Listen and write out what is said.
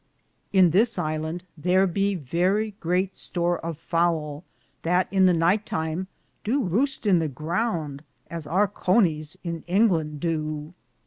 In this Hande tharbe verrie greate store of foule, that in the nyghte time doo Rouste in the grounde as our counis in Ingland dow.